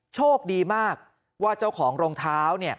โชคดีมากว่าเจ้าของรองเท้า